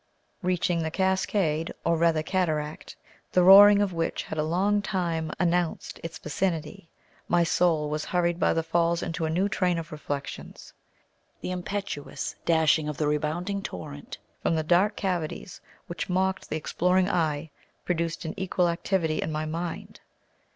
Reaching the cascade, or rather cataract, the roaring of which had a long time announced its vicinity, my soul was hurried by the falls into a new train of reflections. The impetuous dashing of the rebounding torrent from the dark cavities which mocked the exploring eye produced an equal activity in my mind.